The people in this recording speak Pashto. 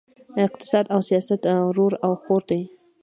اقتصاد او سیاست ورور او خور دي!